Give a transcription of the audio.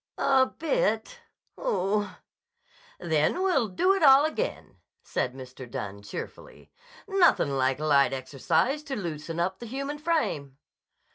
"A bit! Oh h h h!" "Then we'll do it all again," said Mr. Dunne cheerfully. "Nothin' like light exercise to loosen up the human frame."